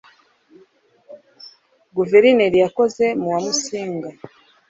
guverineri yakoze mu wa Musinga